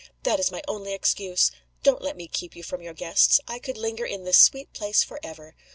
That is my only excuse. Don't let me keep you from your guests. I could linger in this sweet place forever!